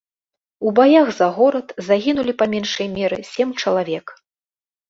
У баях за горад загінулі па меншай меры сем чалавек.